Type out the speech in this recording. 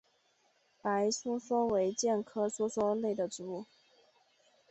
白梭梭为苋科梭梭属的植物。